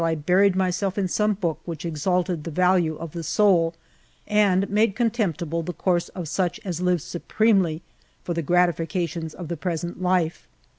I9 buried myself in some book which exalted the value of the soul, and made contemptible the course of such as live supremely for the gratilieations of the present life.